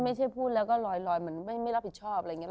ไม่ใช่พูดแล้วก็ลอยเหมือนไม่รับผิดชอบอะไรอย่างนี้